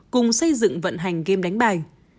cùng xây dựng vận hành game đánh bạc